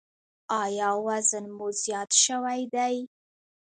ایا وزن مو زیات شوی دی؟